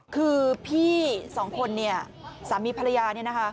คือพี่สองคนเนี่ยสามีภรรยาเนี่ยนะคะ